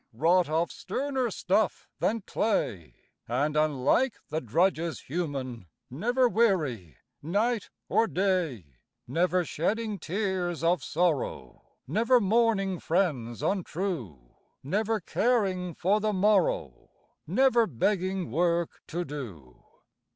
Wrought of sterner stuff than clay; And, unlike the drudges human, Never weary night or day; Never shedding tears of sorrow, Never mourning friends untrue, Never caring for the morrow, Never begging work to do.